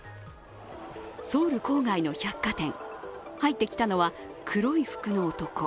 ソウル郊外の百貨店、入ってきたのは黒い服の男。